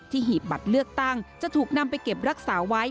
หีบบัตรเลือกตั้งจะถูกนำไปเก็บรักษาไว้